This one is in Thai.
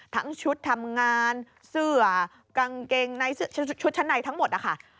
ทั้งชุดทำงานเสื้อกางเกงในชุดชั้นในทั้งหมดนะคะ